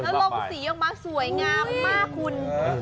แล้วลงสีออกมาสวยงามมากคุณ